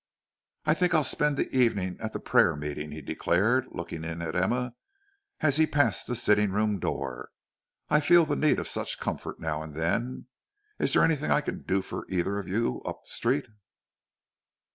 "I think I'll spend the evening at the prayer meeting," he declared, looking in at Emma, as he passed the sitting room door. "I feel the need of such comfort now and then. Is there anything I can do for either of you up street?"